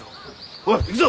おい行くぞ！